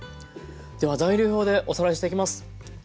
では材料表でおさらいしていきます。